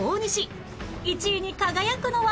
１位に輝くのは！？